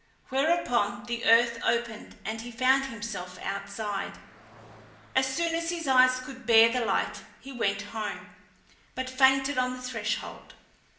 whereupon the earth opened, and he found himself outside. As soon as his eyes could bear the light he went home, but fainted on the threshold.